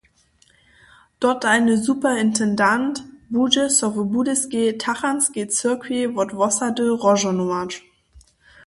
Dotalny superintendent budźe so w Budyskej tachantskej cyrkwi wot wosady rozžohnować.